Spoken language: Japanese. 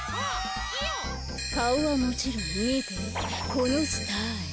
かおはもちろんみてこのスタイル。